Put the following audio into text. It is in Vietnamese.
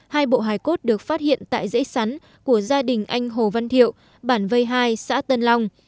hai bộ hài cốt được phát hiện tại dễ sắn của gia đình anh hồ văn thiệu bản vây hai xã tân long